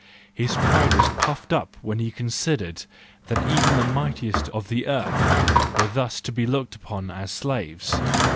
His pride was puffed up when he considered that even the mightiest of the earth were thus to be looked upon as slaves.